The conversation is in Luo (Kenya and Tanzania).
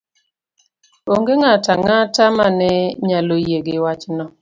Onge ng'ato ang'ata ma ne nyalo yie gi wachno